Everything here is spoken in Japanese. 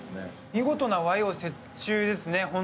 見事な和洋折衷ですね。